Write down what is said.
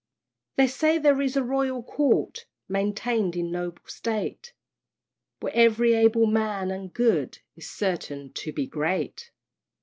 They say there is a Royal Court Maintain'd in noble state, Where ev'ry able man, and good, Is certain to be great!